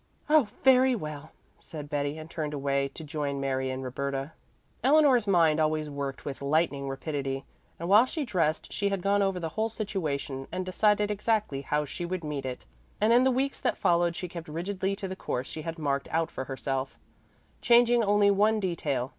"Oh, very well," said Betty, and turned away to join Mary and Roberta. Eleanor's mind always worked with lightning rapidity, and while she dressed she had gone over the whole situation and decided exactly how she would meet it; and in the weeks that followed she kept rigidly to the course she had marked out for herself, changing only one detail.